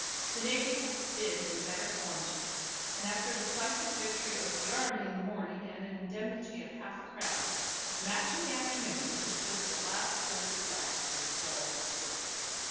The Navy had been in better form to day, and after a decisive victory over the Army in the morning and an indemnity of half a crown, its match in the afternoon, with just the last hole to play, was all square.